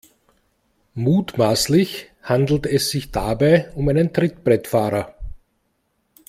Mutmaßlich handelt es sich dabei um einen Trittbrettfahrer.